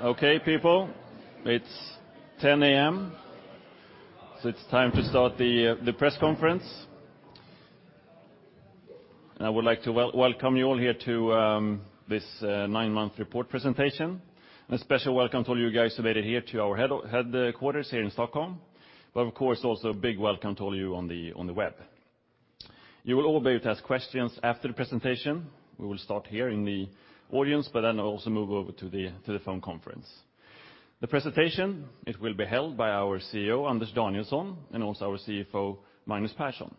Okay people, it's 10 A.M., so it's time to start the press conference. I would like to welcome you all here to this 9 month report presentation. A special welcome to all you guys who made it here to our headquarters here in Stockholm. But, of course also a big welcome to all you on the web. You will all be able to ask questions after the presentation. We will start here in the audience, but then also move over to the phone conference. The presentation, it will be held by our CEO, Anders Danielsson, and also our CFO, Magnus Persson.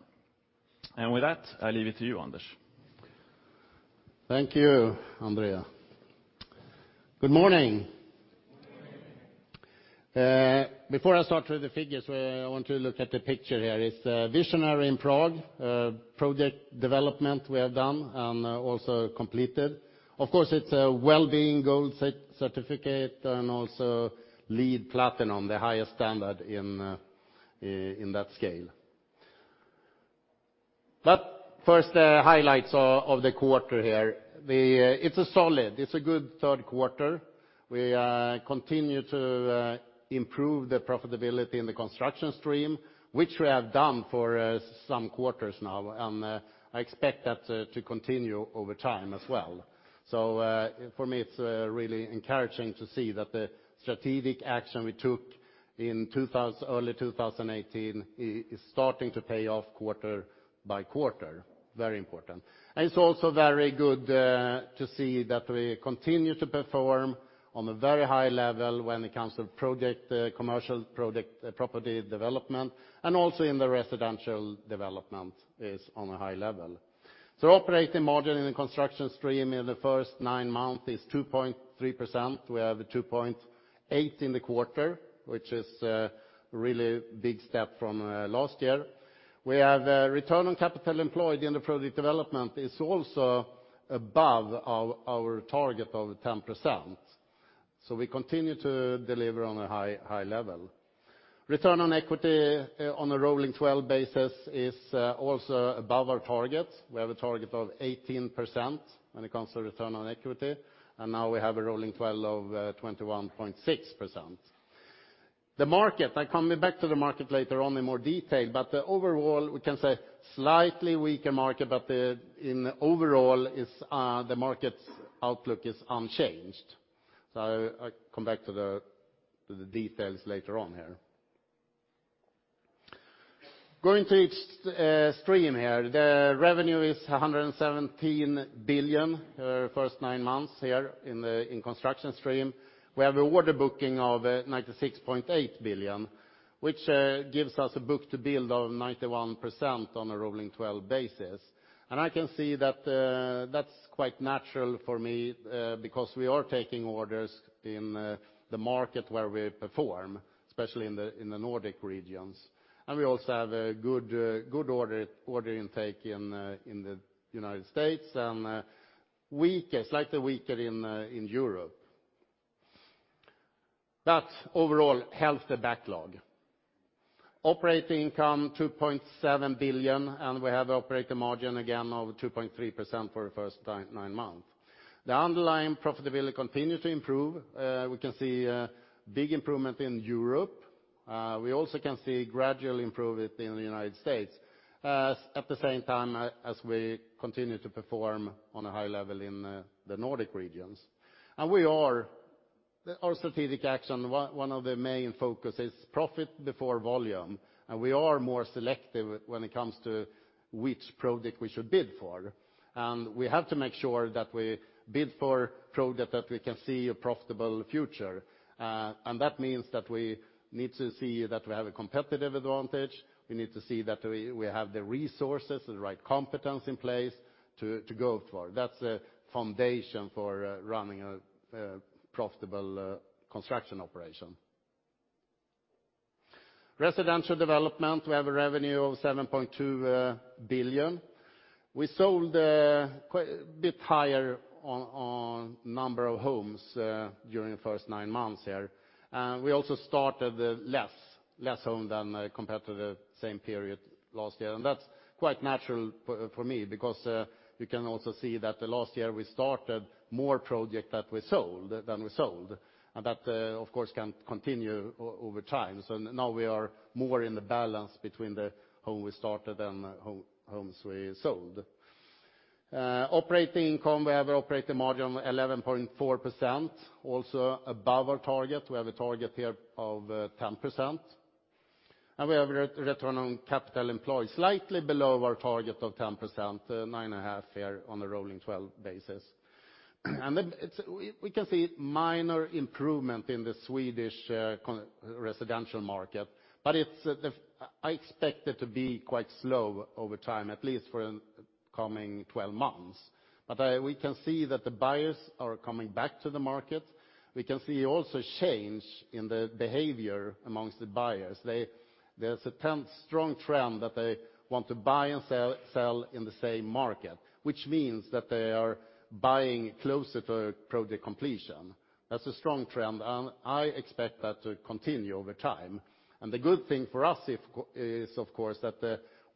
With that, I leave it to you, Anders. Thank you Andrea. Good morning. Good morning. Before I start with the figures, I want to look at the picture here. It's Visionary in Prague, project development we have done and also completed. Of course, it's a WELL Gold certificate, and also LEED Platinum, the highest standard in that scale. But first, the highlights of the quarter here. It's a solid, it's a good 3rd quarter. We continue to improve the profitability in the construction stream, which we have done for some quarters now, and I expect that to continue over time as well. So, for me, it's really encouraging to see that the strategic action we took in early 2018 is starting to pay off quarter by quarter very important. It's also very good to see that we continue to perform on a very high level when it comes to project, commercial project, property development, and also in the residential development is on a high level. Operating margin in the construction stream in the first 9 months is 2.3%. We have a 2.8% in the quarter, which is a really big step from last year. We have a return on capital employed in the project development is also above our target of 10%, so we continue to deliver on a high, high level. Return on equity on a Rolling 12 basis is also above our target. We have a target of 18% when it comes to return on equity, and now we have a Rolling 12 of 21.6%. The market, I'll come back to the market later on in more detail, but overall, we can say, slightly weaker market, but in overall, the market's outlook is unchanged. So I'll come back to the details later on here. Going to each stream here the revenue is 117 billion first 9 months here in the construction stream. We have order booking of 96.8 billion, which gives us a book to build of 91% on a rolling 12 basis. And I can see that that's quite natural for me because we are taking orders in the market where we perform, especially in the Nordic regions. We also have a good order intake in the United States, and slightly weaker in Europe. But overall, healthy backlog. Operating income, 2.7 billion, and we have operating margin, again, of 2.3% for the first 9 months. The underlying profitability continues to improve. We can see a big improvement in Europe. We also can see gradual improvement in the United States, at the same time as we continue to perform on a high level in the Nordic regions. Our strategic action, one of the main focus is profit before volume, and we are more selective when it comes to which product we should bid for. We have to make sure that we bid for product that we can see a profitable future. And that means that we need to see that we have a competitive advantage. We need to see that we have the resources, the right competence in place to go for. That's the foundation for running a profitable construction operation. Residential development, we have a revenue of 7.2 billion. We sold quite a bit higher on number of homes during the first 9 months here. And we also started less homes than compared to the same period last year. And that's quite natural for me because you can also see that the last year we started more projects than we sold, and that of course can't continue over time. So now we are more in the balance between the homes we started and homes we sold. Operating income we have operating margin of 11.4%, also above our target. We have a target here of 10%. And we have a return on capital employed, slightly below our target of 10%, 9.5 here on a rolling 12 basis. And we can see minor improvement in the Swedish construction residential market, but I expect it to be quite slow over time, at least for the coming 12 months. But we can see that the buyers are coming back to the market. We can also see change in the behavior among the buyers. There's a strong trend that they want to buy and sell in the same market, which means that they are buying closer to project completion. That's a strong trend, and I expect that to continue over time. And the good thing for us is, of course, that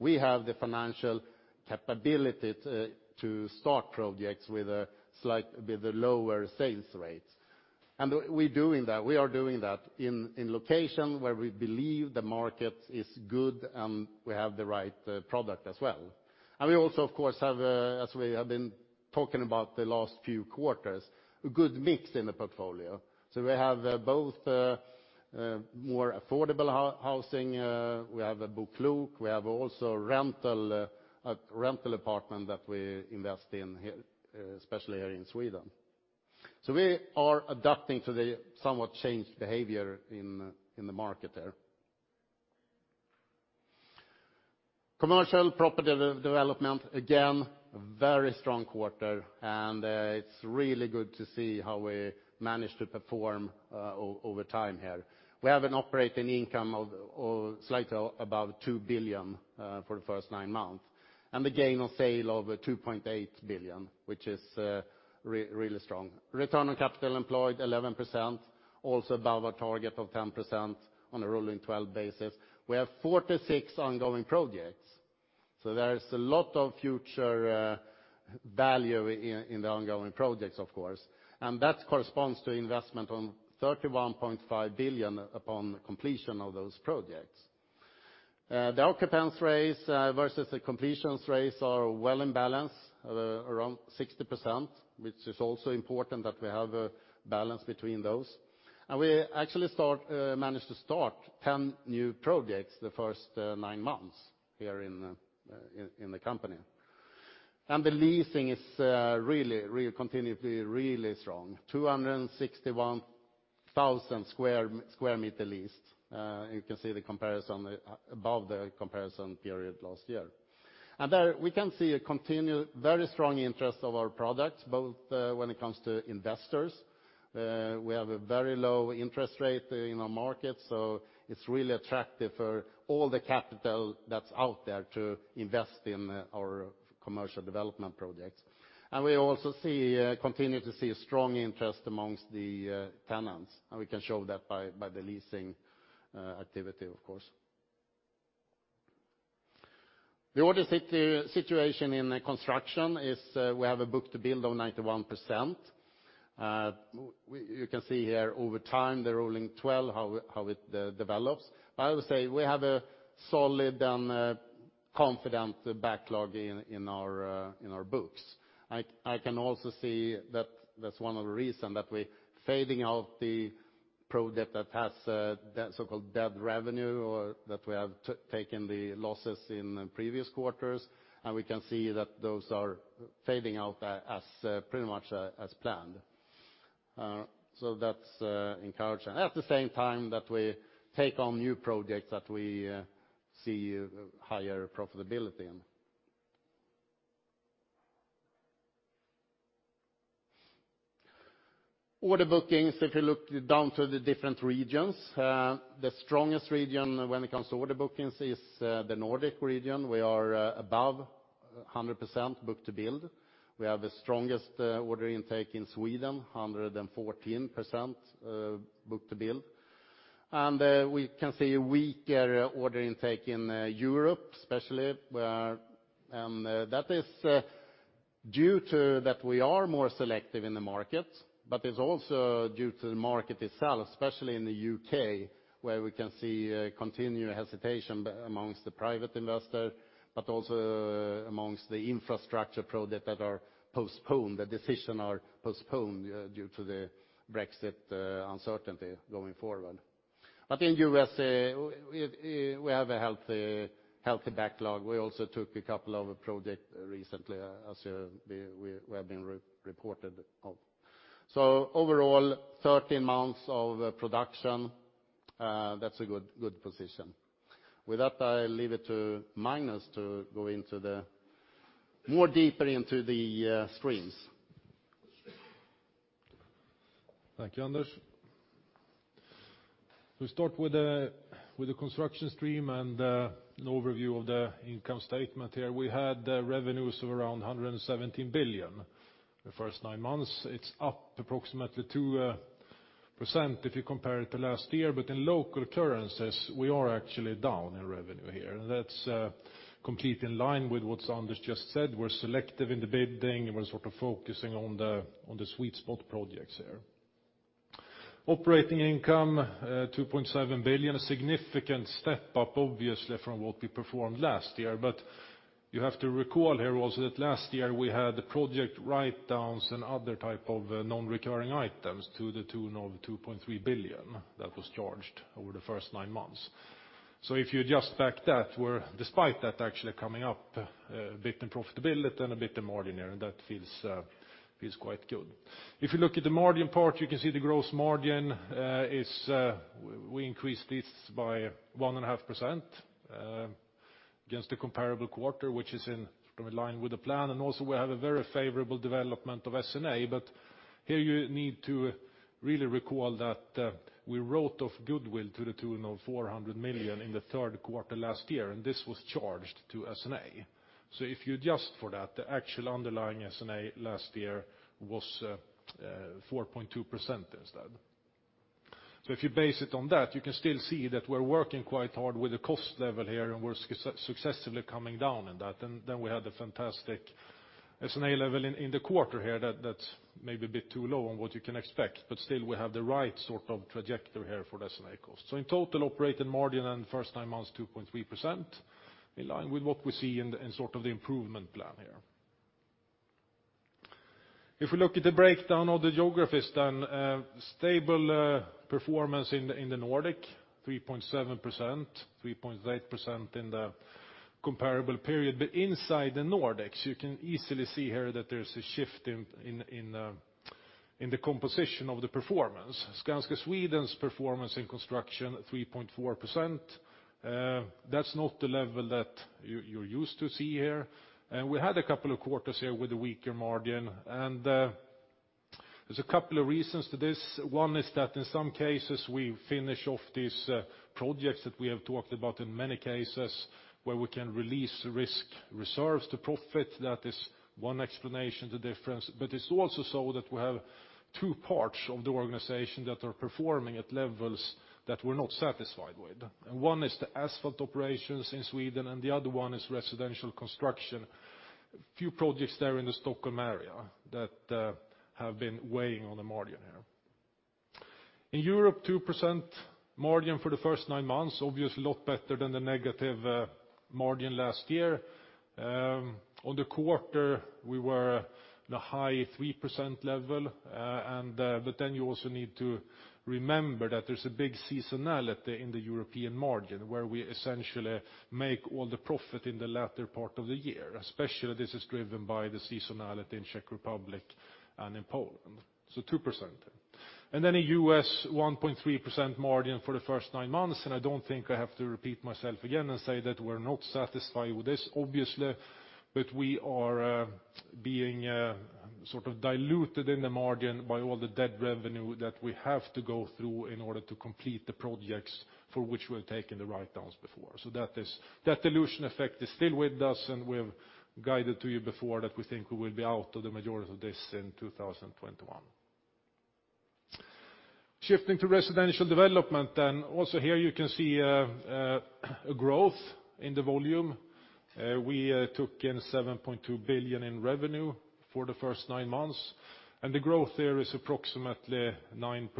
we have the financial capability to start projects with the lower sales rates. And we doing that, we are doing that in locations where we believe the market is good, and we have the right product as well. And we also, of course, have, as we have been talking about the last few quarters, a good mix in the portfolio. So we have both more affordable housing, we have a BoKlok, we have also rental, a rental apartment that we invest in here, especially here in Sweden. So we are adapting to the somewhat changed behavior in the market there. Commercial property development, again, very strong quarter, and it's really good to see how we managed to perform over time here. We have an operating income of slightly above 2 billion for the first 9 months, and the gain on sale of 2.8 billion, which is really strong. Return on capital employed 11%, also above our target of 10% on a rolling 12 basis. We have 46 ongoing projects, so there is a lot of future value in the ongoing projects, of course, and that corresponds to investment on 31.5 billion upon completion of those projects. The occupancy rates versus the completion rates are well in balance around 60%, which is also important that we have a balance between those. And we actually managed to start 10 new projects the first 9 months here in the company. And the leasing is really, really, continually really strong. 261,000 square meter leased. You can see the comparison above the comparison period last year. And there we can see a continued very strong interest of our products, both when it comes to investors. We have a very low interest rate in our market, so it's really attractive for all the capital that's out there to invest in our commercial development projects. And we also see continue to see strong interest amongst the tenants, and we can show that by the leasing activity, of course. The order situation in the construction is, we have a book to build of 91%. You can see here over time, the rolling 12, how it develops. I would say we have a solid and confident backlog in our books. I can also see that that's one of the reason that we're fading out the project that has dead, so-called dead revenue, or that we have taken the losses in previous quarters, and we can see that those are fading out as pretty much as planned. So that's encouraging. At the same time, that we take on new projects that we see higher profitability in. Order bookings, if you look down to the different regions, the strongest region when it comes to order bookings is the Nordic region. We are above 100% book to build. We have the strongest order intake in Sweden, 114% book to build. We can see a weaker order intake in Europe, especially where that is due to that we are more selective in the market, but it's also due to the market itself especially in the U.K., where we can see continued hesitation among the private investor but also among the infrastructure project that are postponed the decision are postponed due to the Brexit uncertainty going forward. But in USA, we have a healthy, healthy backlog. We also took a couple of project recently, as we have been reported of. So overall, 13 months of production that's a good, good position. With that, I leave it to Magnus to go into the more deeper into the streams. Thank you, Anders. We start with the construction stream and an overview of the income statement here. We had revenues of around 117 billion the first 9 months. It's up approximately 2% if you compare it to last year, but in local currencies, we are actually down in revenue here. And that's completely in line with what Anders just said. We're selective in the bidding, and we're sort of focusing on the sweet spot projects here. Operating income 2.7 billion, a significant step up, obviously, from what we performed last year. But you have to recall here also that last year we had project writedowns and other type of non-recurring items to the tune of 2.3 billion that was charged over the first 9 months. So if you just back that we're despite that actually coming up a bit in profitability and a bit in margin there, and that feels feels quite good. If you look at the margin part you can see the gross margin is we increased this by 1.5% against the comparable quarter, which is in sort of line with the plan. And also we have a very favorable development of S&A, but here you need to really recall that we wrote off goodwill to the tune of 400 million in the 3rd quarter last year, and this was charged to S&A. So if you adjust for that, the actual underlying S&A last year was 4.2% instead. So if you base it on that, you can still see that we're working quite hard with the cost level here, and we're successfully coming down in that. And then we had the fantastic S&A level in the quarter here, that's maybe a bit too low on what you can expect, but still we have the right sort of trajectory here for the S&A cost. So in total operating margin in the first 9 months, 2.3%, in line with what we see in sort of the improvement plan here. If we look at the breakdown of the geographies, then stable performance in the Nordic, 3.7%, 3.8% in the comparable period. But inside the Nordics, you can easily see here that there's a shift in the composition of the performance. Skanska Sweden's performance in construction, 3.4%. That's not the level that you're used to see here. And we had a couple of quarters here with a weaker margin, and there's a couple of reasons to this. One is that in some cases we finish off these projects that we have talked about in many cases where we can release risk reserves to profit. That is one explanation the difference. But it's also so that we have two parts of the organization that are performing at levels that we're not satisfied with, and one is the asphalt operations in Sweden, and the other one is residential construction. A few projects there in the Stockholm area that have been weighing on the margin here. In Europe, 2% margin for the first 9 months obviously a lot better than the negative margin last year. On the quarter, we were in the high 3% level but then you also need to remember that there's a big seasonality in the European margin where we essentially make all the profit in the latter part of the year especially this is driven by the seasonality in Czech Republic and in Poland, so 2%. And then in U.S., 1.3% margin for the first 9 months, and I don't think I have to repeat myself again and say that we're not satisfied with this, obviously. But we are being sort of diluted in the margin by all the dead revenue that we have to go through in order to complete the projects for which we've taken the write-downs before. So that dilution effect is still with us, and we've guided to you before that we think we will be out of the majority of this in 2021. Shifting to residential development, and also here you can see a growth in the volume. We took in 7.2 billion in revenue for the first 9months, and the growth there is approximately 9%.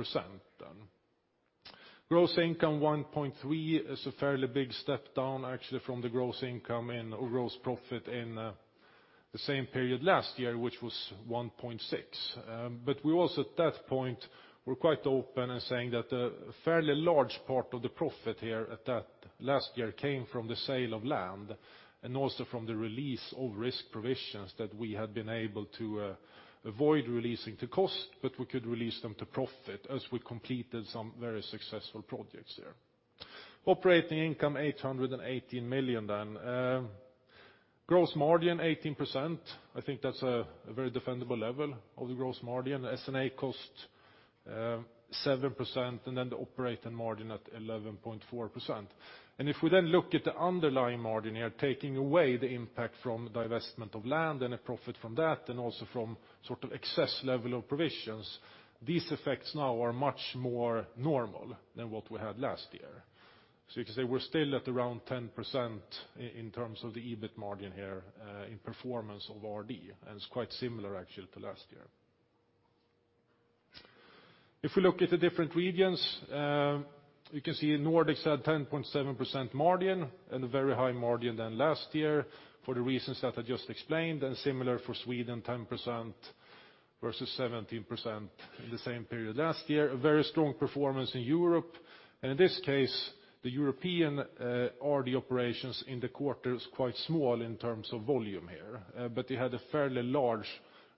Gross income 1.3 billion is a fairly big step down, actually, from the gross income in, or gross profit in, the same period last year, which was 1.6 billion. But we also at that point, were quite open in saying that a fairly large part of the profit here at that last year came from the sale of land, and also from the release of risk provisions that we had been able to avoid releasing to cost, but we could release them to profit as we completed some very successful projects there. Operating income, 818 million, then. Gross margin, 18%. I think that's a very defendable level of the gross margin. S&A cost, 7%, and then the operating margin at 11.4%. And if we then look at the underlying margin here, taking away the impact from the divestment of land and a profit from that, and also from sort of excess level of provisions, these effects now are much more normal than what we had last year. So you can say we're still at around 10% in terms of the EBIT margin here in performance of RD, and it's quite similar actually to last year. If we look at the different regions, you can see Nordics had 10.7% margin, and a very high margin than last year for the reasons that I just explained, and similar for Sweden, 10% versus 17% in the same period last year. A very strong performance in Europe, and in this case the European RD operations in the quarter is quite small in terms of volume here. But they had a fairly large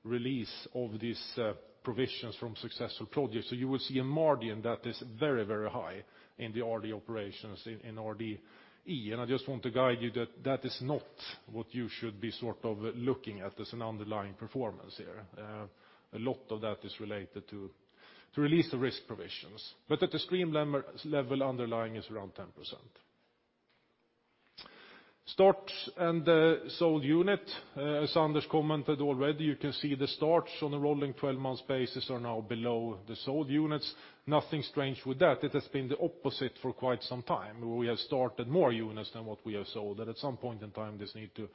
release of these provisions from successful projects. So you will see a margin that is very, very high in the RD operations in RDE. I just want to guide you that that is not what you should be sort of looking at as an underlying performance here. A lot of that is related to the release of the risk provisions. But at the stream level underlying is around 10%. Starts and sold units, Anders commented already, you can see the starts on a rolling 12-month basis are now below the sold units. Nothing strange with that. It has been the opposite for quite some time, where we have started more units than what we have sold, and at some point in time, this need to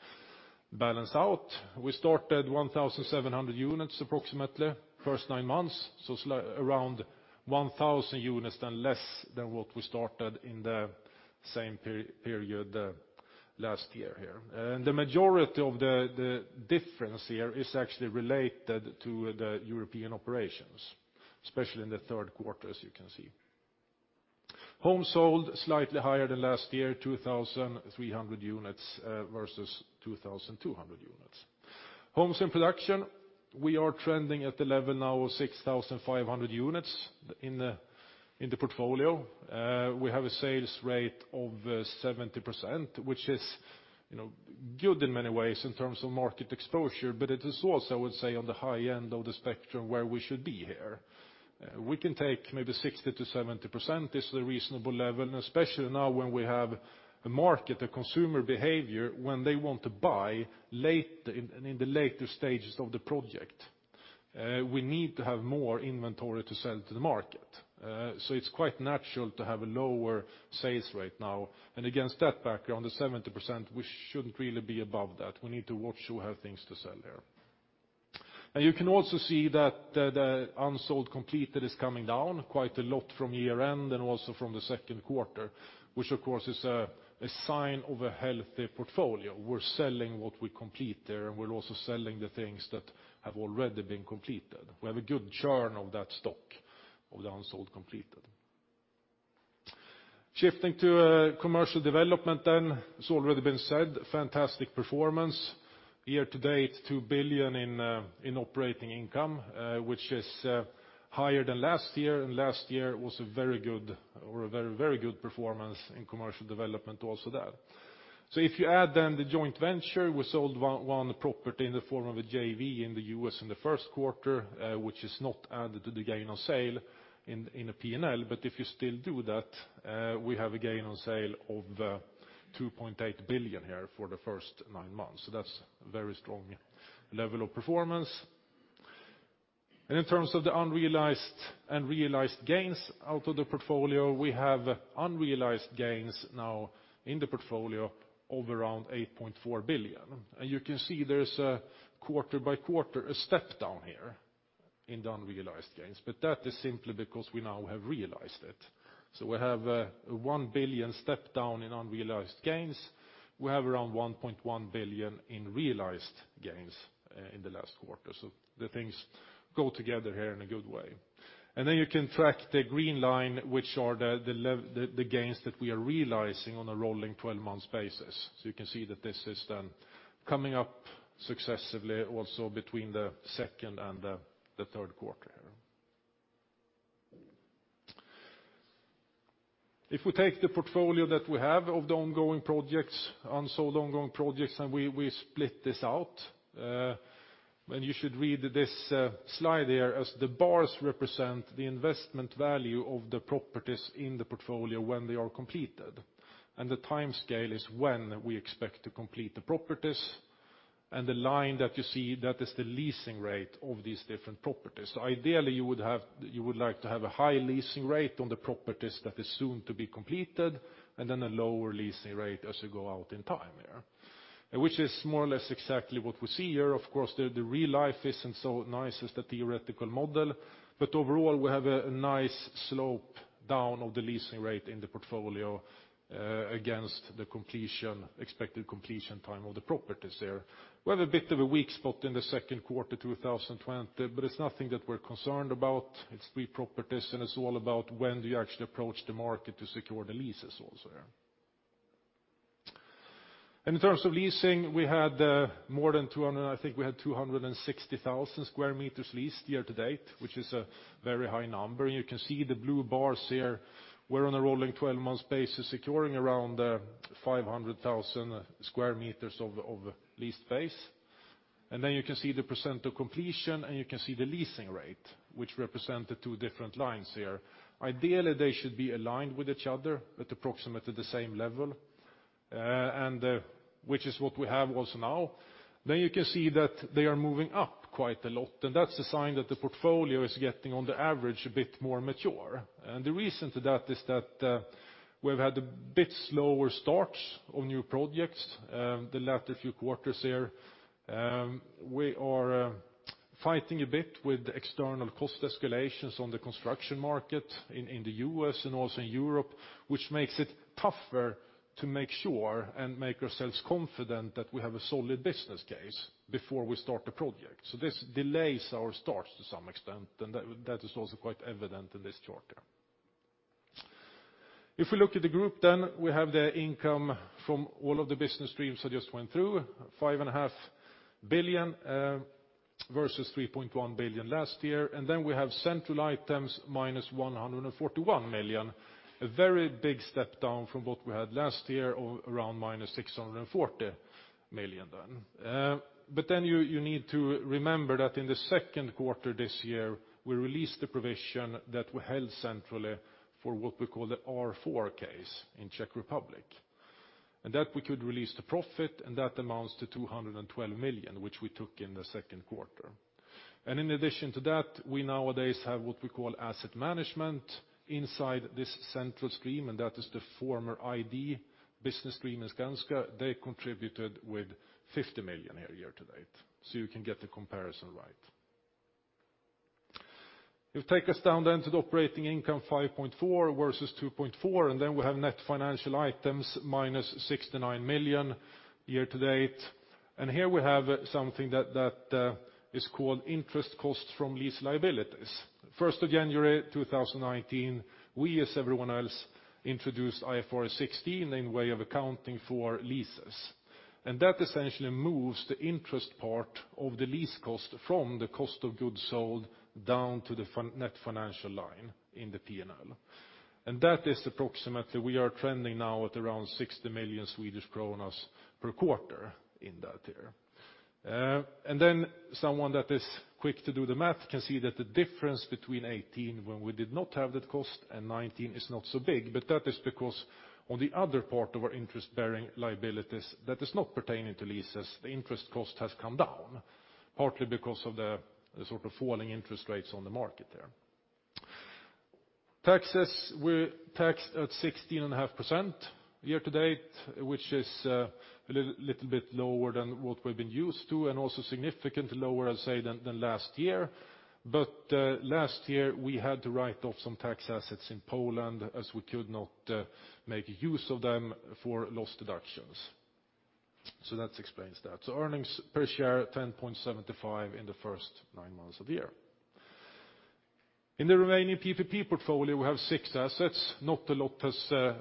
balance out. We started 1,700 units, approximately, first 9 months, so around 1,000 units less than what we started in the same period last year here. The majority of the difference here is actually related to the European operations, especially in the 3rd quarter, as you can see. Homes sold slightly higher than last year, 2,300 units, versus 2,200 units. Homes in production, we are trending at the level now of 6,500 units in the portfolio. We have a sales rate of 70%, which is, you know, good in many ways in terms of market exposure, but it is also, I would say, on the high end of the spectrum where we should be here. We can take maybe 60%-70% is a reasonable level, especially now when we have a market, a consumer behavior, when they want to buy late in the later stages of the project. We need to have more inventory to sell to the market. So it's quite natural to have a lower sales rate now. And against that background, the 70%, we shouldn't really be above that. We need to watch who have things to sell there. And you can also see that the unsold completed is coming down quite a lot from year-end, and also from the 2nd quarter, which of course is a sign of a healthy portfolio. We're selling what we complete there, and we're also selling the things that have already been completed. We have a good churn of that stock, of the unsold completed. Shifting to commercial development then, it's already been said, fantastic performance. Year to date, 2 billion in operating income, which is higher than last year, and last year was a very good or a very, very good performance in commercial development also there. So if you add then the joint venture, we sold one, one property in the form of a JV in the U.S. in the 1st quarter, which is not added to the gain on sale in the P&L. But if you still do that, we have a gain on sale of 2.8 billion here for the first 9 months. So that's a very strong level of performance. And in terms of the unrealized and realized gains out of the portfolio, we have unrealized gains now in the portfolio of around 8.4 billion. And you can see there's a quarter-by-quarter, a step down here in the unrealized gains, but that is simply because we now have realized it. So we have a 1 billion step down in unrealized gains. We have around 1.1 billion in realized gains in the last quarter. So the things go together here in a good way. Then you can track the green line, which are the gains that we are realizing on a rolling 12-month basis. So you can see that this is then coming up successively also between the 2nd and the 3rd quarter. If we take the portfolio that we have of the ongoing projects, unsold ongoing projects, and we split this out, then you should read this slide here, as the bars represent the investment value of the properties in the portfolio when they are completed. The time scale is when we expect to complete the properties, and the line that you see, that is the leasing rate of these different properties. So ideally, you would like to have a high leasing rate on the properties that is soon to be completed, and then a lower leasing rate as you go out in time there. Which is more or less exactly what we see here. Of course, the real life isn't so nice as the theoretical model, but overall, we have a nice slope down of the leasing rate in the portfolio against the completion, expected completion time of the properties there. We have a bit of a weak spot in the 2nd quarter 2020, but it's nothing that we're concerned about. It's three properties, and it's all about when do you actually approach the market to secure the leases also there. In terms of leasing, we had more than 200, I think we had 260,000 square meters leased year to date, which is a very high number. You can see the blue bars here, we're on a Rolling 12-month basis, securing around 500,000 square meters of leased space. Then you can see the percent of completion, and you can see the leasing rate, which represent the two different lines here. Ideally, they should be aligned with each other at approximately the same level, and which is what we have also now. You can see that they are moving up quite a lot, and that's a sign that the portfolio is getting on the average a bit more mature. The reason to that is that we've had a bit slower start on new projects, the latter few quarters here. We are fighting a bit with the external cost escalations on the construction market in the U.S. and also in Europe, which makes it tougher to make sure and make ourselves confident that we have a solid business case before we start the project. So this delays our starts to some extent, and that is also quite evident in this chart here. If we look at the group, then we have the income from all of the business streams I just went through, 5.5 billion versus 3.1 billion last year. And then we have central items, minus 141 million, a very big step down from what we had last year, around minus 640 million then. You need to remember that in the 2nd quarter this year, we released the provision that we held centrally for what we call the R4 case in Czech Republic. That meant we could release the profit, and that amounts to 212 million which we took in the 2nd quarter. In addition to that, we nowadays have what we call asset management inside this central stream, and that is the former ID business stream in Skanska. They contributed with 50 million here year to date, so you can get the comparison right. It'll take us down then to the operating income, 5.4 billion versus 2.4 billion, and then we have net financial items, minus 69 million year to date. Here we have something that is called interest costs from lease liabilities. On January 1, 2019, we, as everyone else, introduced IFRS 16 as a way of accounting for leases. That essentially moves the interest part of the lease cost from the cost of goods sold down to the financial line in the P&L. That is approximately; we are trending now at around 60 million Swedish kronor per quarter in that year. Then someone who is quick to do the math can see that the difference between 2018, when we did not have that cost, and 2019 is not so big. But that is because on the other part of our interest-bearing liabilities, that is not pertaining to leases, the interest cost has come down, partly because of the sort of falling interest rates on the market there. Taxes, we're taxed at 16.5% year to date, which is a little, little bit lower than what we've been used to, and also significantly lower, I'd say, than last year. But last year, we had to write off some tax assets in Poland, as we could not make use of them for loss deductions. So that explains that. So earnings per share 10.75 in the first 9 months of the year. In the remaining PPP portfolio, we have six assets. Not a lot has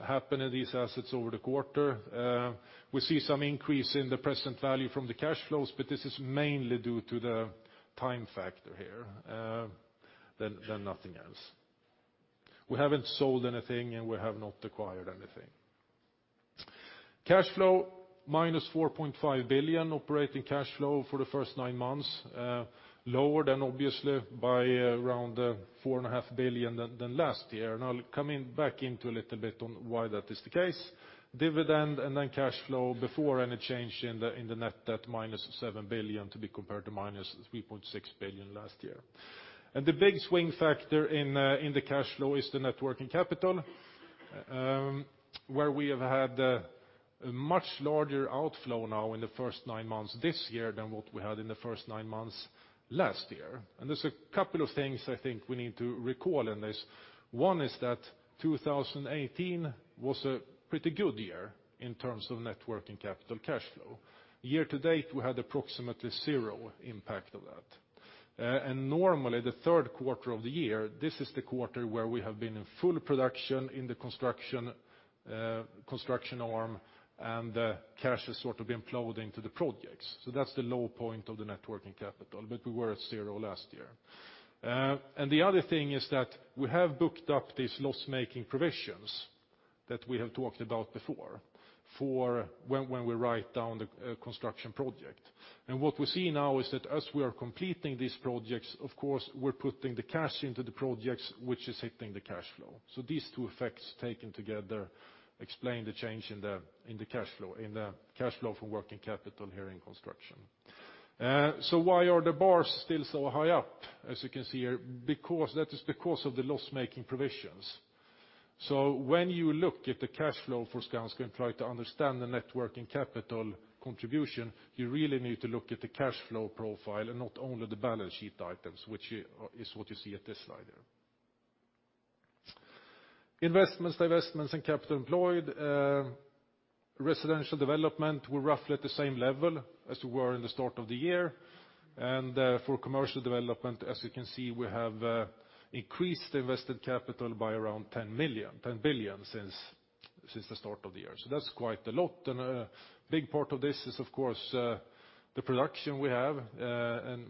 happened in these assets over the quarter. We see some increase in the present value from the cash flows, but this is mainly due to the time factor here, than nothing else. We haven't sold anything, and we have not acquired anything. Cash flow, minus 4.5 billion operating cash flow for the first 9 months, lower than obviously by around, 4.5 billion than, than last year. And I'll come back into a little bit on why that is the case. Dividend and then cash flow before any change in the net debt minus 7 billion, to be compared to minus 3.6 billion last year. And the big swing factor in the cash flow is the net working capital, where we have had a much larger outflow now in the first 9 months this year than what we had in the first 9 months last year. And there's a couple of things I think we need to recall in this. One is that 2018 was a pretty good year in terms of net working capital cash flow. Year to date, we had approximately zero impact of that. And normally, the 3rd quarter of the year, this is the quarter where we have been in full production in the construction, construction arm, and cash has sort of been flowing to the projects. So that's the low point of the net working capital, but we were at zero last year. And the other thing is that we have booked up these loss-making provisions that we have talked about before for when, when we write down the construction project. And what we see now is that as we are completing these projects, of course, we're putting the cash into the projects which is hitting the cash flow. So these two effects, taken together, explain the change in the, in the cash flow, in the cash flow from working capital here in construction. So why are the bars still so high up, as you can see here? Because that is the cause of the loss-making provisions. So when you look at the cash flow for Skanska and try to understand the net working capital contribution you really need to look at the cash flow profile and not only the balance sheet items which is what you see at this slide here. Investments, divestments, and capital employed, residential development, we're roughly at the same level as we were in the start of the year. And for commercial development, as you can see, we have increased invested capital by around 10 billion since the start of the year, so that's quite a lot. And a big part of this is, of course, the production we have, and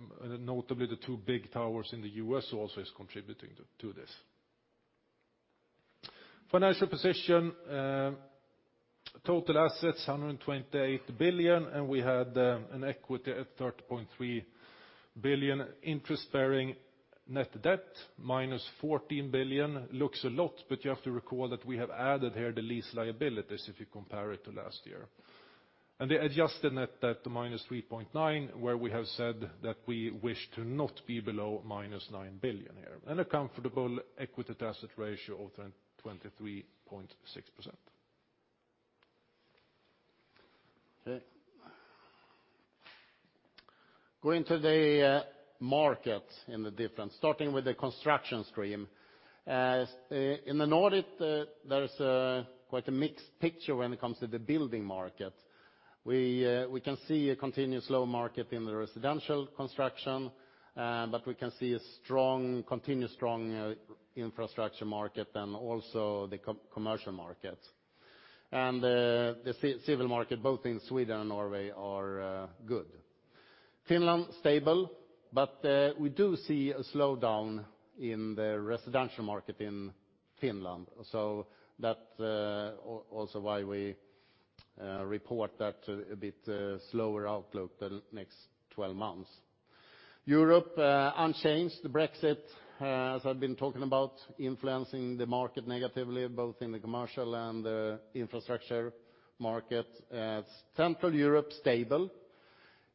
notably, the two big towers in the US also is contributing to this. Financial position, total assets 128 billion, and we had an equity at 13.3 billion. Interest-bearing net debt, -14 billion, looks a lot, but you have to recall that we have added here the lease liabilities if you compare it to last year. And the adjusted net debt, -3.9 billion, where we have said that we wish to not be below -9 billion here, and a comfortable equity-to-asset ratio of 23.6%. Okay. Going to the markets in the different, starting with the construction stream. In the Nordic, there is quite a mixed picture when it comes to the building market. We can see a continuous slow market in the residential construction, but we can see a strong, continuous strong, infrastructure market and also the commercial market. And the civil market, both in Sweden and Norway, are good. Finland, stable, but we do see a slowdown in the residential market in Finland, so that's also why we report that a bit slower outlook the next 12 months. Europe, unchanged. Brexit, as I've been talking about, influencing the market negatively, both in the commercial and infrastructure market. Central Europe, stable.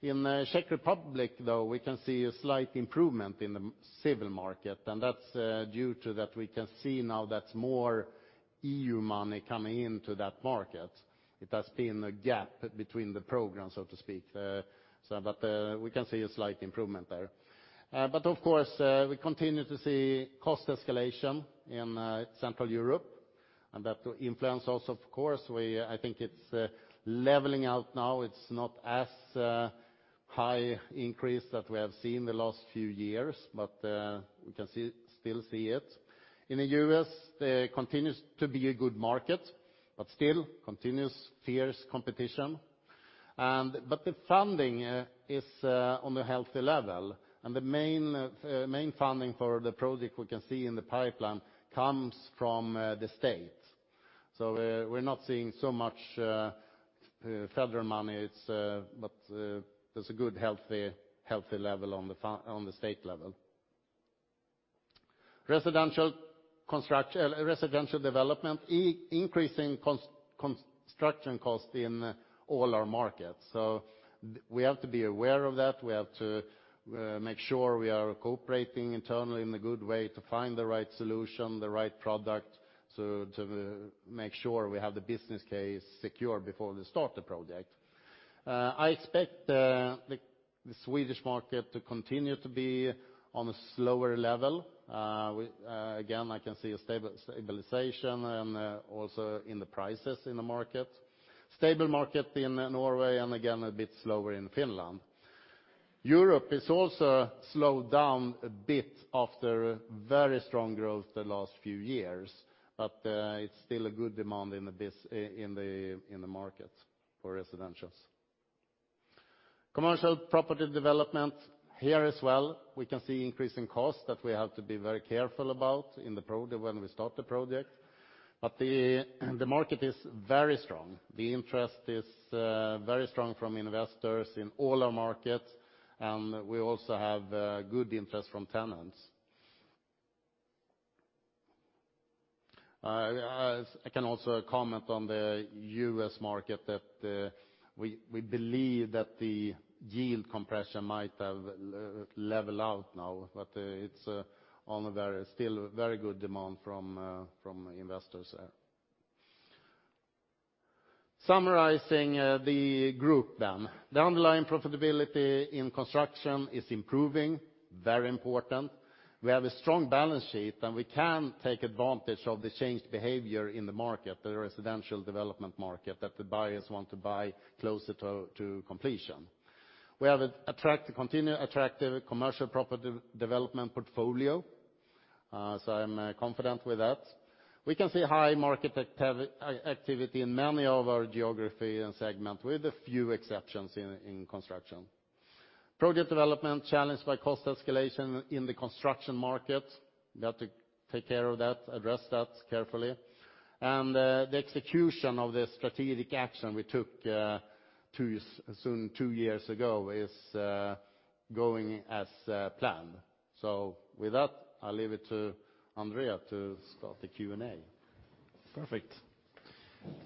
In the Czech Republic, though, we can see a slight improvement in the civil market, and that's due to that we can see now that more EU money coming into that market. It has been a gap between the programs, so to speak, so but we can see a slight improvement there. But of course, we continue to see cost escalation in Central Europe, and that will influence us, of course. I think it's leveling out now. It's not as high increase that we have seen the last few years, but we can still see it. In the U.S., there continues to be a good market, but still continuous fierce competition, and the funding is on a healthy level, and the main funding for the project we can see in the pipeline comes from the states. So, we're not seeing so much federal money. But there's a good healthy level on the state level. Residential development increasing construction cost in all our markets. So we have to be aware of that. We have to make sure we are cooperating internally in a good way to find the right solution, the right product, to make sure we have the business case secure before we start the project. I expect the Swedish market to continue to be on a slower level. We again, I can see a stable stabilization and also in the prices in the market. Stable market in Norway, and again, a bit slower in Finland. Europe has also slowed down a bit after very strong growth the last few years, but it's still a good demand in the market for residentials. Commercial property development, here as well, we can see increasing costs that we have to be very careful about in the project when we start the project, but the market is very strong. The interest is very strong from investors in all our markets, and we also have good interest from tenants. I can also comment on the U.S. market, that we believe that the yield compression might have level out now, but it's still very good demand from investors there. Summarizing the group then. The underlying profitability in construction is improving very important. We have a strong balance sheet, and we can take advantage of the changed behavior in the market, the residential development market, that the buyers want to buy closer to completion. We have an attractive commercial property development portfolio, so I'm confident with that. We can see high market activity in many of our geographies and segments, with a few exceptions in construction. Project development challenged by cost escalation in the construction market. We have to take care of that, address that carefully. The execution of the strategic action we took two years, soon two years ago, is going as planned. So with that, I'll leave it to Andrea to start the Q&A. Perfect.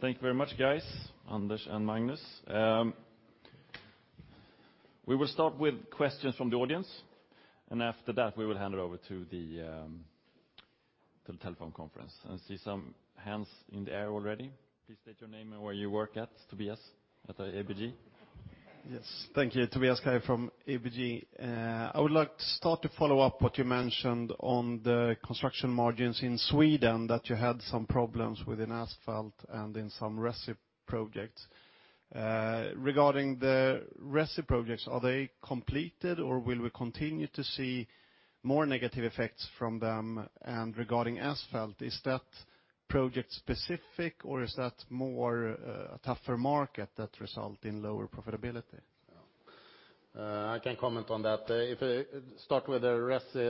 Thank you very much, guys, Anders and Magnus. We will start with questions from the audience, and after that, we will hand it over to the telephone conference. I see some hands in the air already. Please state your name and where you work at, Tobias at the ABG? Yes, thank you. Tobias Kaj from ABG. I would like to start to follow up what you mentioned on the construction margins in Sweden, that you had some problems within asphalt and in some resi projects. Regarding the resi projects, are they completed, or will we continue to see more negative effects from them? And regarding asphalt, is that project-specific, or is that more, a tougher market that result in lower profitability? I can comment on that. If I start with the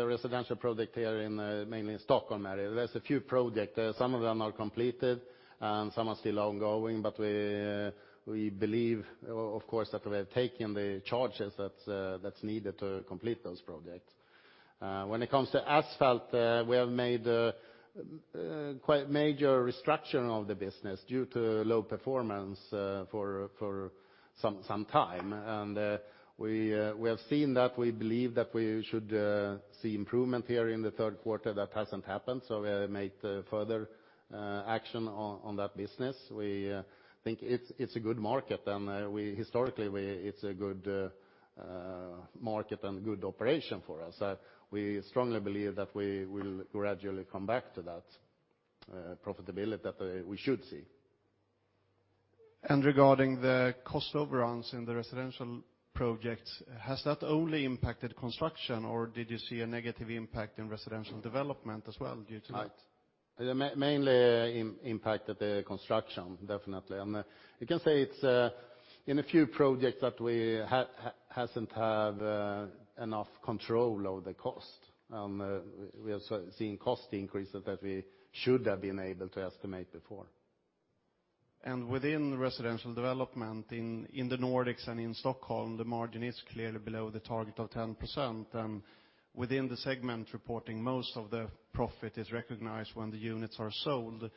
residential project here in, mainly in Stockholm area, there's a few projects. Some of them are completed, and some are still ongoing, but we believe, of course, that we have taken the charges that that's needed to complete those projects. When it comes to asphalt, we have made quite major restructuring of the business due to low performance for some time. We have seen that. We believe that we should see improvement here in the 3rd quarter. That hasn't happened, so we have made further action on that business. We think it's a good market, and historically it's a good market and good operation for us. We strongly believe that we will gradually come back to that profitability that we should see. Regarding the cost overruns in the residential projects, has that only impacted construction, or did you see a negative impact in residential development as well due to that? Mainly, impacted the construction, definitely. You can say it's in a few projects that we haven't had enough control over the cost. We are seeing cost increases that we should have been able to estimate before. Within residential development in the Nordics and in Stockholm, the margin is clearly below the target of 10%, and within the segment reporting, most of the profit is recognized when the units are sold.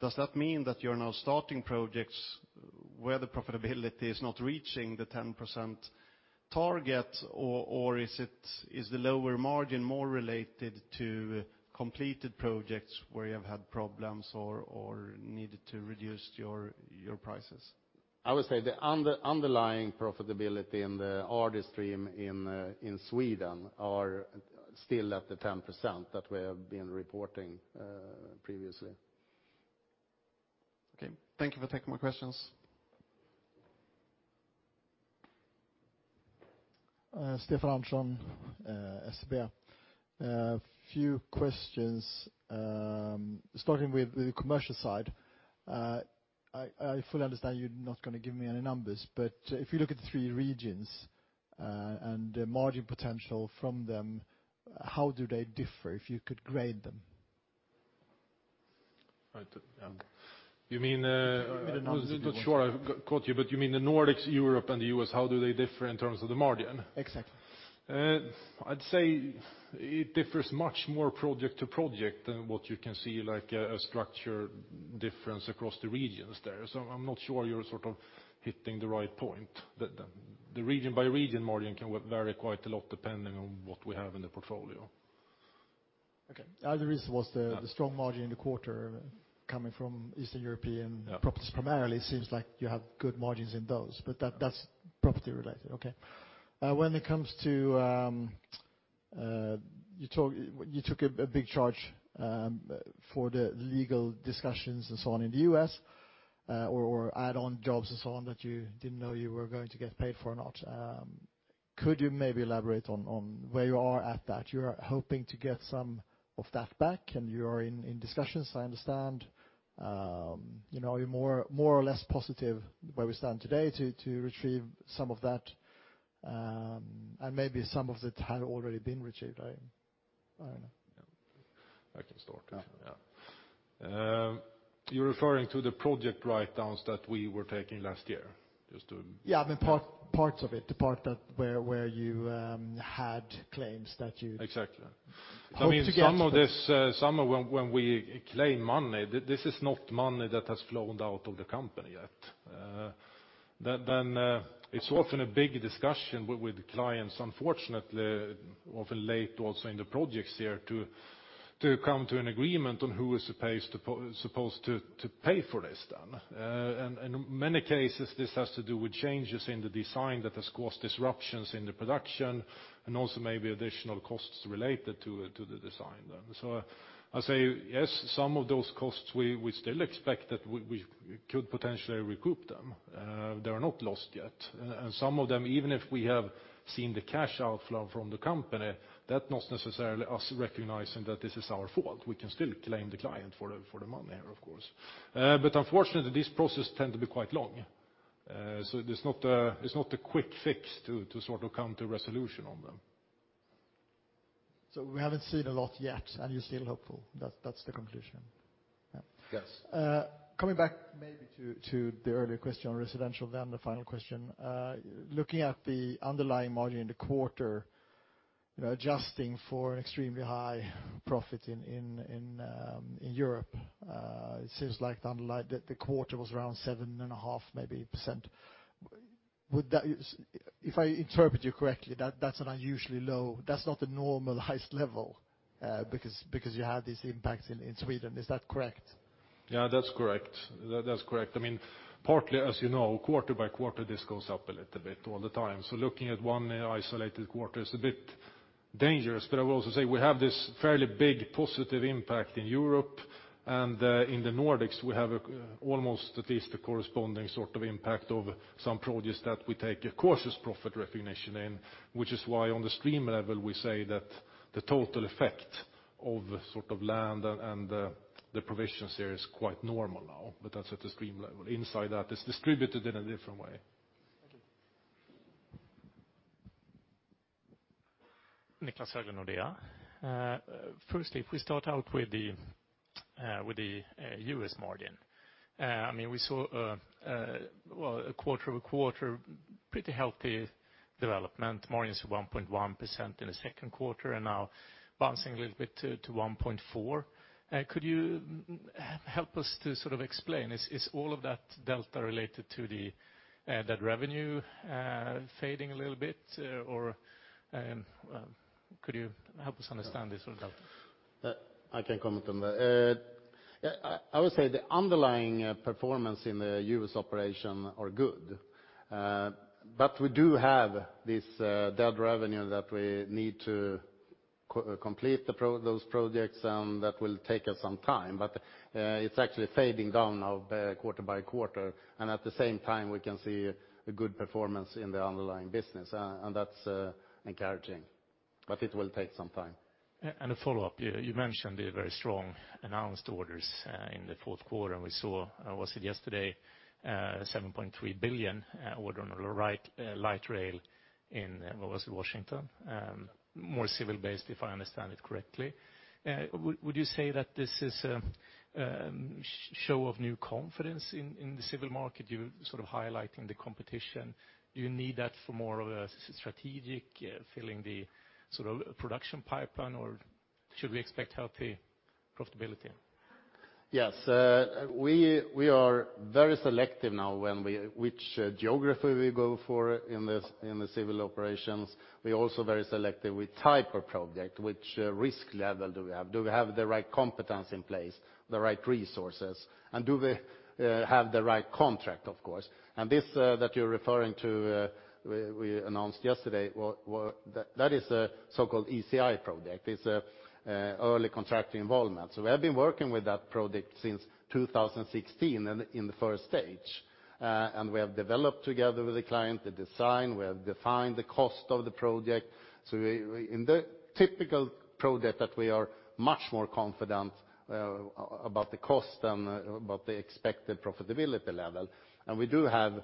Does that mean that you're now starting projects where the profitability is not reaching the 10% target, or is the lower margin more related to completed projects where you have had problems or needed to reduce your prices? I would say the underlying profitability in the RD stream in Sweden are still at the 10% that we have been reporting previously. Okay, thank you for taking my questions. Stefan Aronsson, SEB. A few questions, starting with the commercial side. I fully understand you're not going to give me any numbers, but if you look at the three regions, and the margin potential from them, how do they differ, if you could grade them? Right, yeah. You mean, I was not sure I caught you, but you mean the Nordics, Europe, and the U.S., how do they differ in terms of the margin? Exactly. I'd say it differs much more project to project than what you can see, like, a structure difference across the regions there. So I'm not sure you're sort of hitting the right point. The region by region margin can vary quite a lot, depending on what we have in the portfolio. Okay. The reason was the. Yeah The strong margin in the quarter coming from Eastern European. Yeah Properties, primarily, it seems like you have good margins in those, but that, that's property related. Okay. When it comes to, you took a big charge for the legal discussions, and so on, in the US, or add-on jobs and so on, that you didn't know you were going to get paid for or not. Could you maybe elaborate on where you are at that? You are hoping to get some of that back, and you are in discussions, I understand. You know, you're more or less positive where we stand today to retrieve some of that, and maybe some of it had already been retrieved, I don't know. Yeah. I can start. Yeah. Yeah. You're referring to the project write-downs that we were taking last year, just to- Yeah, but parts of it, the part where you had claims that you- Exactly. Hope to get. I mean, some of this, some of when we claim money, this is not money that has flown out of the company yet. Then, it's often a big discussion with the clients, unfortunately, often late also in the projects here, to come to an agreement on who is supposed to pay for this then. And in many cases, this has to do with changes in the design that has caused disruptions in the production, and also maybe additional costs related to the design then. So I say, yes, some of those costs we still expect that we could potentially recoup them. They are not lost yet. And some of them, even if we have seen the cash outflow from the company, that's not necessarily us recognizing that this is our fault. We can still claim the client for the, for the money here, of course. But unfortunately, this process tend to be quite long. So it's not a, it's not a quick fix to, to sort of come to resolution on them. So we haven't seen a lot yet, and you're still hopeful. That, that's the conclusion? Yeah. Yes. Coming back maybe to the earlier question on residential, then the final question. Looking at the underlying margin in the quarter, adjusting for extremely high profit in Europe, it seems like the underlying. That the quarter was around 7.5%, maybe. Would that, if I interpret you correctly, that's an unusually low. That's not the normalized level, because you had this impact in Sweden. Is that correct? Yeah, that's correct. That, that's correct. I mean, partly, as you know, quarter by quarter, this goes up a little bit all the time. So looking at one isolated quarter is a bit dangerous. But I will also say we have this fairly big positive impact in Europe, and, in the Nordics, we have a almost at least a corresponding sort of impact of some projects that we take a cautious profit recognition in, which is why on the stream level, we say that the total effect of the sort of land and the provisions there is quite normal now, but that's at the stream level. Inside that, it's distributed in a different way. Thank you. Niclas Höglund, Nordea. Firstly, if we start out with the U.S. margin, I mean, we saw, well, a quarter-over-quarter, pretty healthy development, margin is 1.1% in the 2nd quarter and now bouncing a little bit to 1.4%. Could you help us to sort of explain, is all of that delta related to that revenue fading a little bit? Or could you help us understand this result? I can comment on that. I would say the underlying performance in the U.S. operation are good. But we do have this dead revenue that we need to complete those projects, and that will take us some time. But it's actually fading down now, quarter by quarter, and at the same time, we can see a good performance in the underlying business, and that's encouraging. But it will take some time. A follow-up. You mentioned the very strong announced orders in the 4th quarter, and we saw, was it yesterday, $7.3 billion order on the light rail in Washington. More civil based, if I understand it correctly. Would you say that this is a show of new confidence in the civil market, you sort of highlighting the competition? Do you need that for more of a strategic filling the sort of production pipeline, or should we expect healthy profitability? Yes. We are very selective now when we, which geography we go for in the civil operations. We're also very selective with type of project. Which risk level do we have? Do we have the right competence in place, the right resources? And do we have the right contract, of course. And this that you're referring to, we announced yesterday. Well, that is a so-called ECI project. It's early contractor involvement. So we have been working with that project since 2016, in the first stage. And we have developed together with the client the design. We have defined the cost of the project. So we... In the typical project that we are much more confident about the cost and about the expected profitability level. And we do have,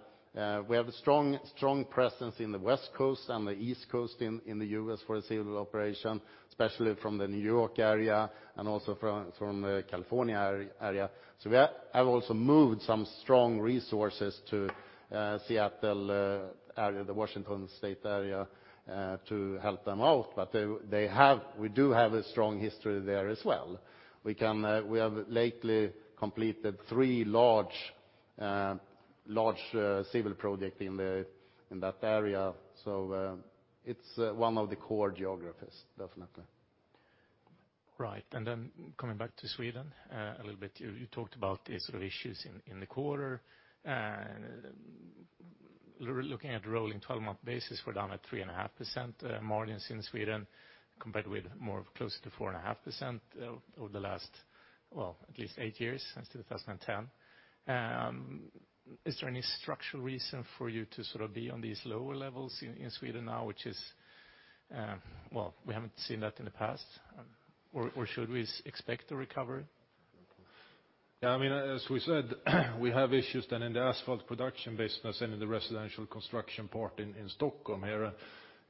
we have a strong, strong presence in the West Coast and the East Coast in the U.S. for a civil operation, especially from the New York area and also from the California area. So we have also moved some strong resources to Seattle area, the Washington State area, to help them out. But we do have a strong history there as well. We have lately completed three large civil project in that area. So it's one of the core geographies, definitely. Right. And then coming back to Sweden, a little bit, you, you talked about the sort of issues in, in the quarter. And looking at rolling 12-month basis, we're down at 3.5%, margins in Sweden, compared with more close to 4.5% over the last, well, at least 8 years, since 2010. Is there any structural reason for you to sort of be on these lower levels in, in Sweden now, which is, well, we haven't seen that in the past, or, or should we expect a recovery? Yeah, I mean, as we said, we have issues then in the asphalt production business and in the residential construction part in Stockholm here.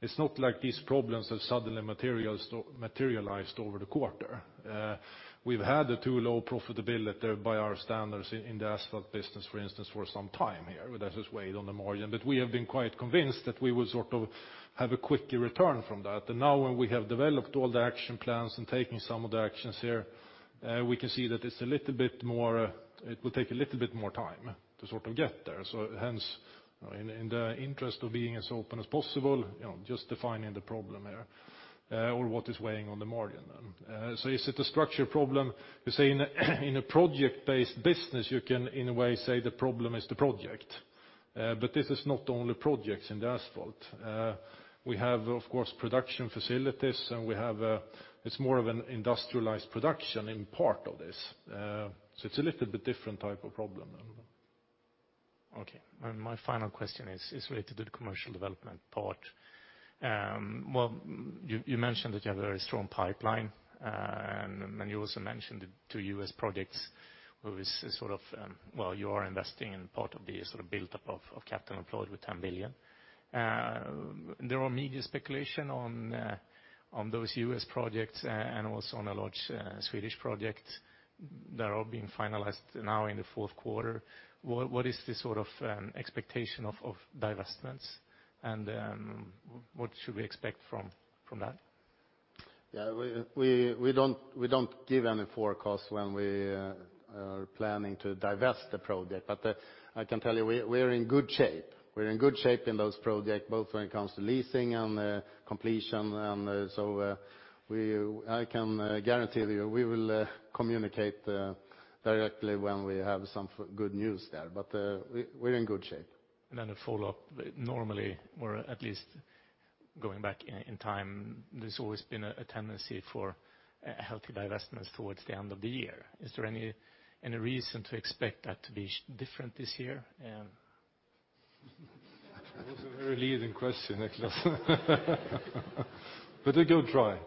It's not like these problems have suddenly materialized over the quarter. We've had a too low profitability by our standards in the asphalt business, for instance, for some time here, that has weighed on the margin. But we have been quite convinced that we will sort of have a quick return from that. And now, when we have developed all the action plans and taking some of the actions here, we can see that it's a little bit more, it will take a little bit more time to sort of get there. So hence, in the interest of being as open as possible, you know, just defining the problem here, or what is weighing on the margin then. So is it a structure problem? You see, in a project-based business, you can in a way say the problem is the project. But this is not only projects in the asphalt. We have, of course, production facilities, and it's more of an industrialized production in part of this. So it's a little bit different type of problem. Okay. And my final question is related to the commercial development part. Well, you, you mentioned that you have a very strong pipeline, and, and you also mentioned the two U.S. projects, which is sort of. Well, you are investing in part of the sort of buildup of, of capital employed with 10 billion. There are media speculation on, on those U.S. projects and also on a large Swedish project that are all being finalized now in the 4th quarter. What, what is the sort of expectation of, of divestments, and, what should we expect from, from that? Yeah, we don't give any forecast when we are planning to divest the project. But I can tell you, we're in good shape. We're in good shape in those projects, both when it comes to leasing and completion. And so I can guarantee you, we will communicate directly when we have some good news there, but we're in good shape. A follow-up. Normally, or at least going back in time, there's always been a tendency for a healthy divestment toward the end of the year. Is there any reason to expect that to be different this year? That was a very leading question, Niclas. But you go try.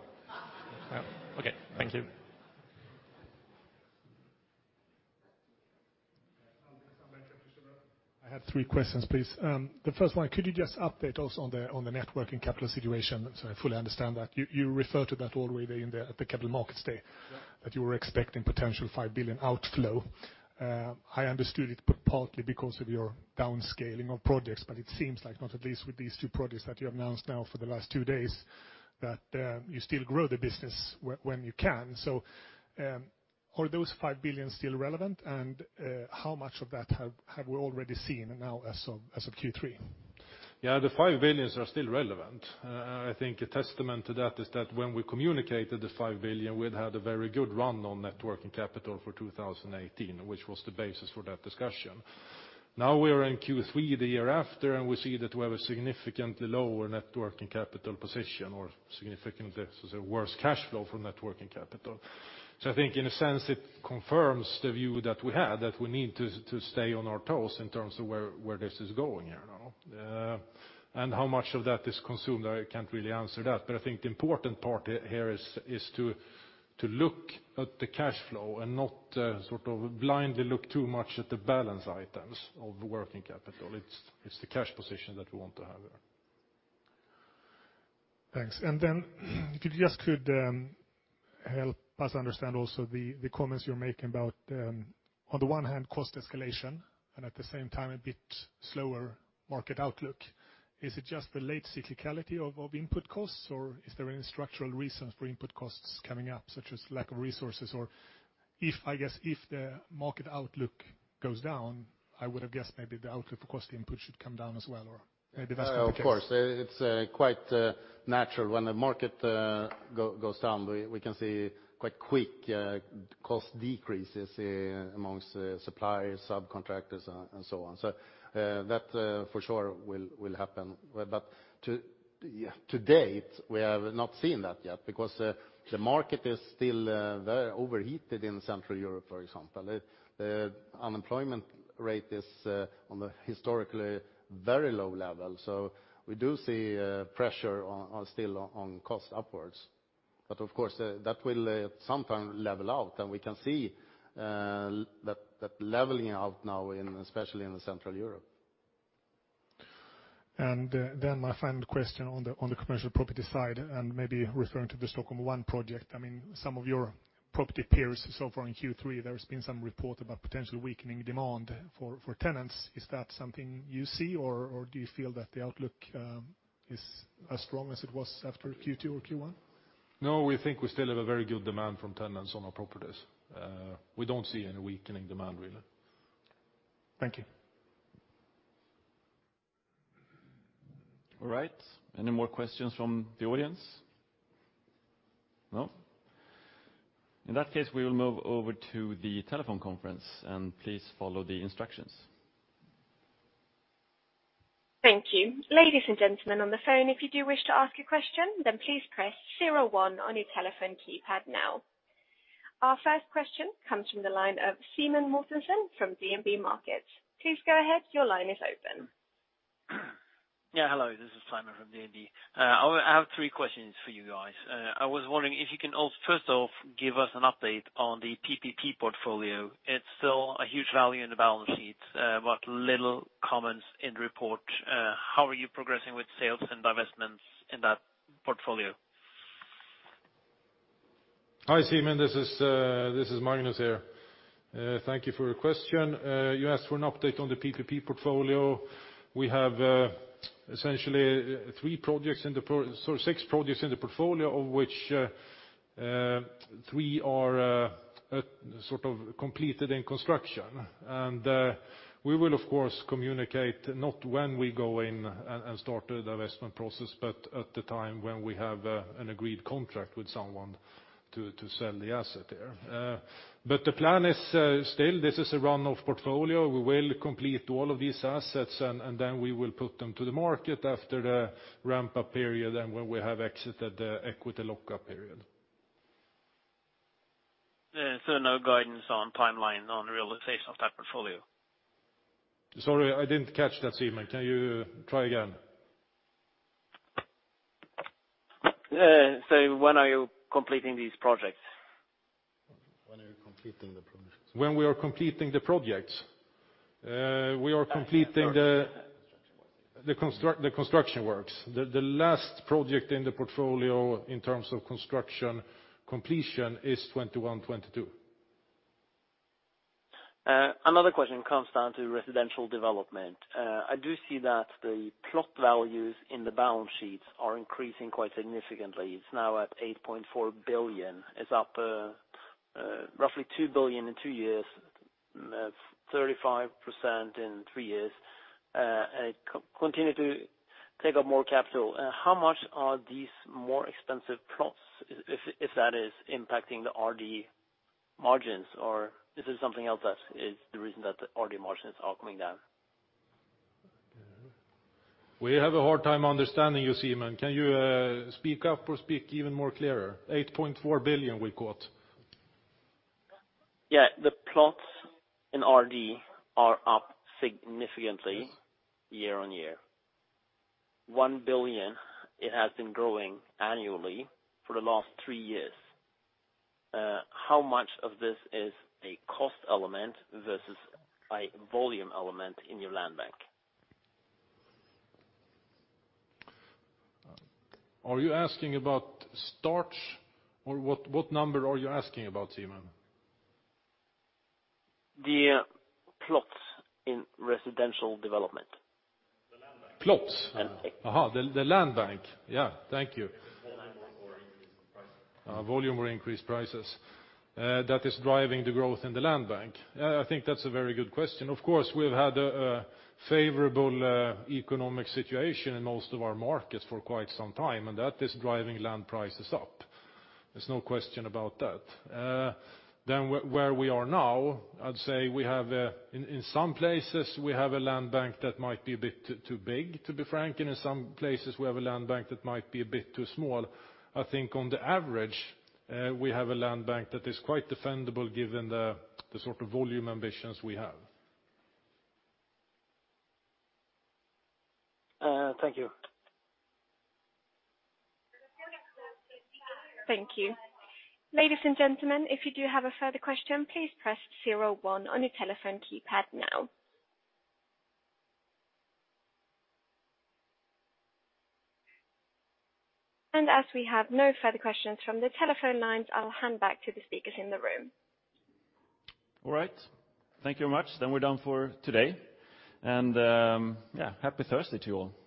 Yeah. Okay. Thank you. I have three questions, please. The first one, could you just update us on the net working capital situation, so I fully understand that? You referred to that already in the, at the Capital Markets Day. Yeah That you were expecting potential 5 billion outflow. I understood it, but partly because of your downscaling of projects, but it seems like not at least with these two projects that you announced now for the last two days, that you still grow the business when you can. So, are those 5 billion still relevant? And, how much of that have we already seen now as of Q3? Yeah, the 5 billion are still relevant. I think a testament to that is that when we communicated the 5 billion, we'd had a very good run on net working capital for 2018, which was the basis for that discussion. Now, we're in Q3, the year after, and we see that we have a significantly lower net working capital position, or significantly, so a worse cash flow from net working capital. So I think in a sense it confirms the view that we had that we need to, to stay on our toes in terms of where, where this is going here, you know? And how much of that is consumed, I can't really answer that. I think the important part here is to look at the cash flow and not sort of blindly look too much at the balance items of working capital. It's the cash position that we want to have there. Thanks. Then, if you just could, help us understand also the comments you're making about, on the one hand, cost escalation, and at the same time, a bit slower market outlook. Is it just the late cyclicality of input costs, or is there any structural reasons for input costs coming up, such as lack of resources? Or if, I guess, if the market outlook goes down, I would have guessed maybe the outlook for cost input should come down as well, or maybe that's the case. Of course, it's quite natural. When the market goes down, we can see quite quick cost decreases among suppliers, subcontractors, and so on. So, that for sure will happen. But to date, we have not seen that yet because the market is still very overheated in Central Europe, for example. The unemployment rate is on a historically very low level, so we do see pressure on costs still upwards. But of course, that will sometime level out, and we can see that leveling out now, especially in Central Europe. Then my final question on the commercial property side, and maybe referring to the Stockholm One project. I mean, some of your property peers so far in Q3, there's been some report about potential weakening demand for tenants. Is that something you see, or do you feel that the outlook is as strong as it was after Q2 or Q1? No, we think we still have a very good demand from tenants on our properties. We don't see any weakening demand, really. Thank you. All right, any more questions from the audience? No. In that case, we will move over to the telephone conference, and please follow the instructions. Thank you ladies and gentlemen on the phone, if you do wish to ask a question, then please press zero one on your telephone keypad now. Our first question comes from the line of Simon Mortensen from DNB Markets. Please go ahead, your line is open. Yeah, hello, this is Simon from DNB. I have three questions for you guys. I was wondering if you can first off, give us an update on the PPP portfolio. It's still a huge value in the balance sheet, but little comments in the report. How are you progressing with sales and divestments in that portfolio? Hi, Simon, this is Magnus here. Thank you for your question. You asked for an update on the PPP portfolio. We have essentially three projects in the - sorry, six projects in the portfolio, of which three are sort of completed in construction. And we will, of course, communicate, not when we go in and start the divestment process, but at the time when we have an agreed contract with someone to sell the asset there. But the plan is still this is a run-off portfolio. We will complete all of these assets, and then we will put them to the market after the ramp-up period and when we have exited the equity lock-up period. So, no guidance on timeline on realization of that portfolio? Sorry, I didn't catch that, Simon. Can you try again? So when are you completing these projects? When are you completing the projects? When we are completing the projects? We are completing the construction works. The construction works. The last project in the portfolio in terms of construction completion is 2021-2022. Another question comes down to residential development. I do see that the plot values in the balance sheets are increasing quite significantly. It's now at 8.4 billion. It's up, roughly 2 billion in two years, 35% in three years, and it continues to take up more capital. How much are these more expensive plots, if that is impacting the RD margins, or is it something else that is the reason that the RD margins are coming down? We have a hard time understanding you, Simon. Can you speak up or speak even more clearer? 8.4 billion, we got. Yeah, the plots in RD are up significantly year-on-year. 1 billion, it has been growing annually for the last three years. How much of this is a cost element versus a volume element in your land bank? Are you asking about start, or what, what number are you asking about, Simon? The plots in residential development. The land bank. Plots. Yeah. Uh-huh, the land bank. Yeah, thank you. Volume or increased prices. Volume or increased prices that is driving the growth in the land bank. I think that's a very good question. Of course, we've had a favorable economic situation in most of our markets for quite some time, and that is driving land prices up. There's no question about that. Then where we are now, I'd say we have a. In some places, we have a land bank that might be a bit too big, to be frank, and in some places, we have a land bank that might be a bit too small. I think on the average, we have a land bank that is quite defendable given the sort of volume ambitions we have. Thank you. Thank you ladies and gentlemen, if you do have a further question, please press zero one on your telephone keypad now. As we have no further questions from the telephone lines, I'll hand back to the speakers in the room. All right. Thank you very much. Then we're done for today. And, yeah, happy Thursday to you all.